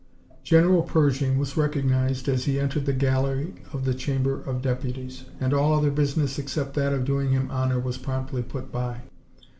General Pershing was recognized as he entered the gallery of the Chamber of Deputies, and all other business except that of doing him honor was promptly put by.